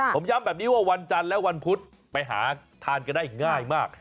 ผมย้ำแบบนี้ว่าวันจันทร์และวันพุธไปหาทานกันได้ง่ายมาก